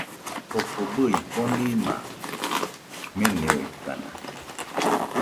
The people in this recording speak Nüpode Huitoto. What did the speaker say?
Koko bɨe, konima meniokaina